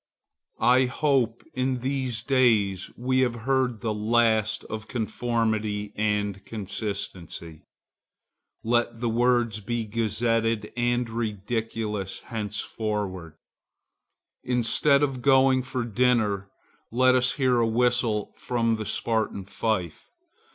I hope in these days we have heard the last of conformity and consistency. Let the words be gazetted and ridiculous henceforward. Instead of the gong for dinner, let us hear a whistle from the Spartan fife.